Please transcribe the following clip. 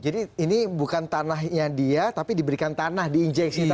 jadi ini bukan tanahnya dia tapi diberikan tanah di injeksi tanah gitu